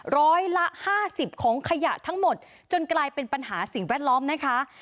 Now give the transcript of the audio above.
ร้อยละห้าสิบของขยะทั้งหมดจนกลายเป็นปัญหาสิ่งแวดล้อมนะคะ